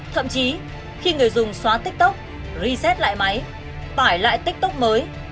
thậm chí khi người dùng xóa tiktok reset lại máy tải lại tiktok mới